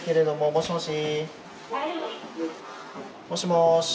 もしもし。